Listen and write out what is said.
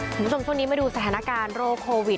คุณผู้ชมช่วงนี้มาดูสถานการณ์โรคโควิด